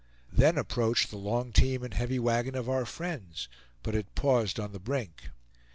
Then approached the long team and heavy wagon of our friends; but it paused on the brink.